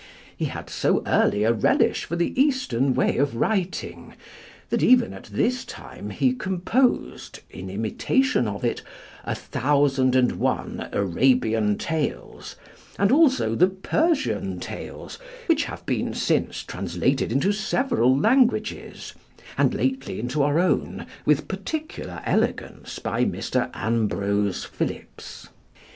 He had so early a relish for the Eastern way of writing, that even at this time he composed (in imitation of it) 'A Thousand and One Arabian Tales,' and also the 'Persian Tales,' which have been since translated into several languages, and lately into our own with particular elegance by Mr. Ambrose Philips.